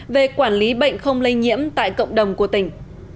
về quản lý bệnh không lây nhiễm tại cộng đồng của tỉnh